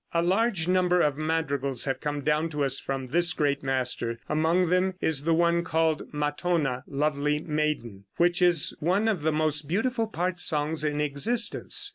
A large number of madrigals have come down to us from this great master; among them is the one called "Matona, Lovely Maiden," which is one of the most beautiful part songs in existence.